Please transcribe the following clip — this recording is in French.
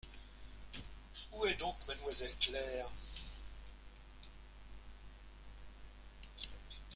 Où donc est mademoiselle Claire ?.